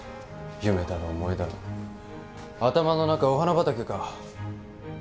夢だの思いだの頭の中お花畑か。